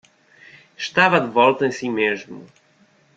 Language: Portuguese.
Estava de volta em si mesmo.